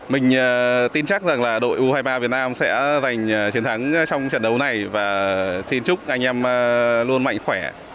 mình tin chắc rằng là đội u hai mươi ba việt nam sẽ giành chiến thắng trong trận đấu này và xin chúc anh em luôn mạnh khỏe